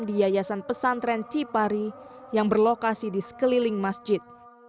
di yayasan pesantren cipari yang berlokasi di sekeliling masjid